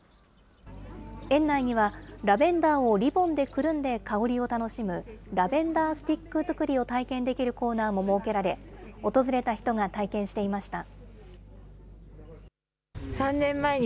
園内には、ラベンダーをリボンでくるんで香りを楽しむ、ラベンダースティック作りを体験できるコーナーも設けられ、訪れた人が体験していました。